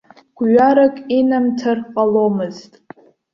Гәҩарак инамҭар ҟаломызт.